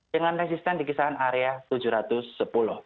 dengan resisten di kisaran area tujuh ratus sepuluh